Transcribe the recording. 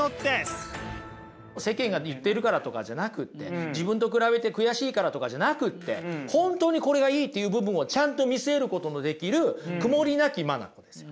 世間が言ってるからとかじゃなくって自分と比べて悔しいからとかじゃなくって本当にこれがいいっていう部分をちゃんと見据えることのできる曇りなき眼ですよ。